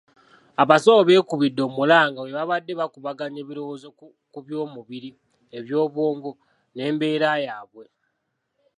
Abasawo beekubidde omulanga bwe baabadde bakubaganya ebirowoozo ku by'omubiri, eby'obwongo n'embeera yaabwe.